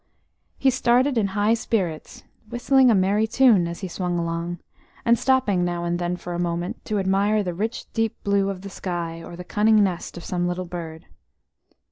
He started in high spirits, whistling a merry tune as he swung along, and stopping now and then for a moment to admire the rich deep blue of the sky, or the cunning nest of some little bird.